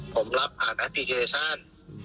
ผมรับผ่านแอปพลิเคชัน